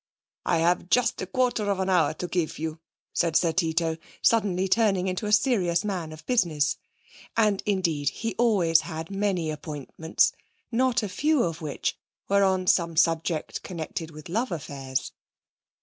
'I've just a quarter of an hour to give you,' said Sir Tito, suddenly turning into a serious man of business. And, indeed, he always had many appointments, not a few of which were on some subject connected with love affairs.